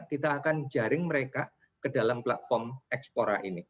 kita akan jaring mereka ke dalam platform expora ini